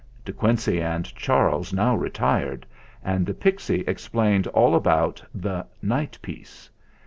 De Quincey and Charles now retired and the pixy explained all about the "Night Piece."